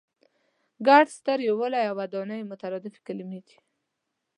ګډ، ستر، یووالی او ودانۍ مترادفې کلمې دي.